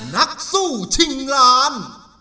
นักสู้ชิงล้าน